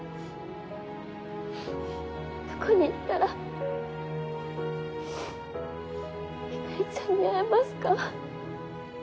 どこに行ったらひかりちゃんに会えますか？